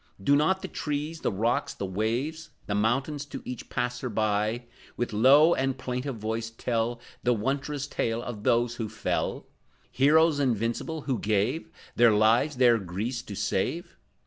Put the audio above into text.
Do not the trees, the rocks, the waves, The mountains, to each passer by, With low and plaintive voice tell The wondrous tale of those who fell, Heroes invincible who gave Their lives, their Greece to save?